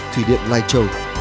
thủy điện lai châu